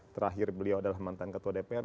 terakhir beliau adalah mantan ketua dpr